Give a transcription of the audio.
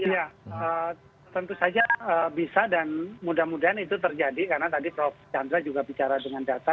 ya tentu saja bisa dan mudah mudahan itu terjadi karena tadi prof chandra juga bicara dengan data